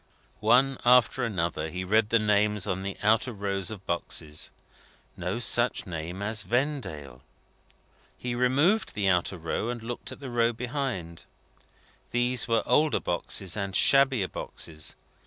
One after another, he read the names on the outer rows of boxes. No such name as Vendale! He removed the outer row, and looked at the row behind. These were older boxes, and shabbier boxes.